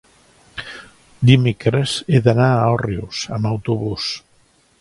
dimecres he d'anar a Òrrius amb autobús.